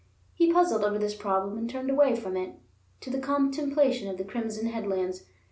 He puzzled over this problem and turned away from it to the contemplation of the crimson headlands.